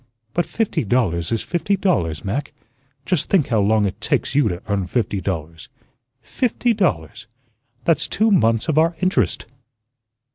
"But fifty dollars is fifty dollars, Mac. Just think how long it takes you to earn fifty dollars. Fifty dollars! That's two months of our interest."